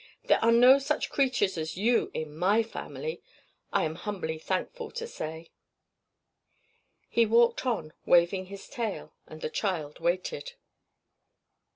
There are no such creatures as you in my family, I am humbly thankful to say." He walked on, waving his tail, and the child waited.